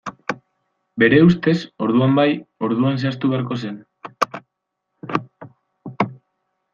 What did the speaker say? Bere ustez, orduan bai, orduan zehaztu beharko zen.